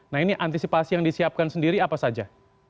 nah ini antisipasi yang disiapkan sendiri apa saja